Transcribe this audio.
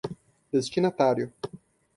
destinatário